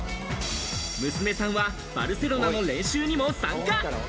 娘さんはバルセロナの練習にも参加。